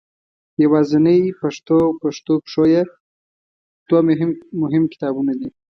یوازنۍ پښتو او پښتو پښویه دوه مهم کتابونه دي.